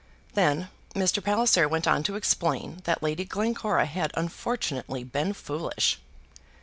Then Mr. Palliser went on to explain that Lady Glencora had unfortunately been foolish.